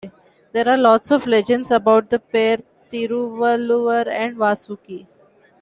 There are lots of legends about the pair Thiruvalluvar and Vaasuki.